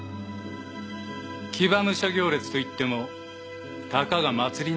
騎馬武者行列といってもたかが祭りの出し物の一つだ。